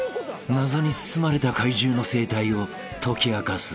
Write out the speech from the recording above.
［謎に包まれた怪獣の生態を解き明かす］